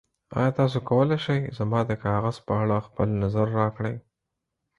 ایا تاسو کولی شئ زما د کاغذ په اړه خپل نظر راکړئ؟